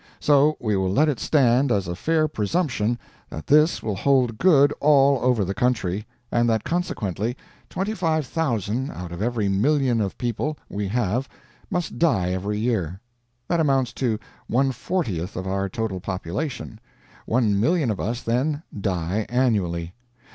So we will let it stand as a fair presumption that this will hold good all over the country, and that consequently 25,000 out of every million of people we have must die every year. That amounts to one fortieth of our total population. One million of us, then, die annually.